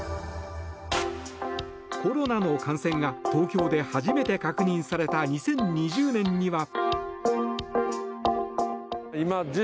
コロナの感染が東京で初めて確認された２０２０年には。